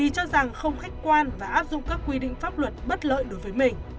vì cho rằng không khách quan và áp dụng các quy định pháp luật bất lợi đối với mình